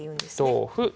同歩。